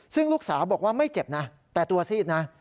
ซึ่งลูกสาวบอกว่าไม่เจ็บนะแต่ตัวซีดนะ